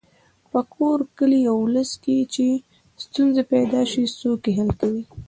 په کور، کلي او ولس کې چې ستونزه پیدا شي څوک یې حل کوي.